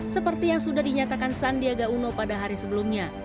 seperti yang sudah dinyatakan sandiaga uno pada hari sebelumnya